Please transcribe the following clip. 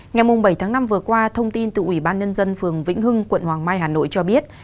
ngày bảy tháng năm vừa qua thông tin từ ủy ban nhân dân phường vĩnh hưng quận hoàng mai hà nội cho biết